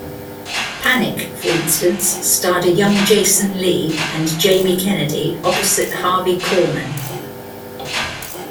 "Panic", for instance, starred a young Jason Lee and Jamie Kennedy opposite Harvey Korman.